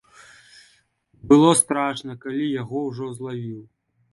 Было страшна, калі яго ўжо злавіў.